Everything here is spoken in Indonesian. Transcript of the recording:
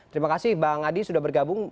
terima kasih bang adi sudah bergabung